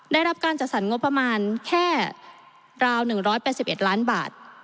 ได้รับการจัดสรรงบประมาณแค่ราว๑๘๑ล้านบาท